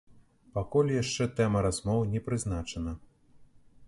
Пакуль яшчэ тэма размоў не прызначана.